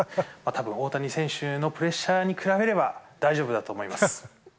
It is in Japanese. たぶん大谷選手のプレッシャーに比べれば、大丈夫だと思います。